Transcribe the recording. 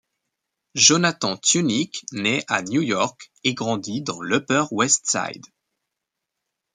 Jonathan Tunick naît à New York et grandit dans l'Upper West Side.